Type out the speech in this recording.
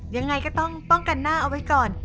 ยังไงก็ต้องป้องกันหน้าเอาไว้ก่อน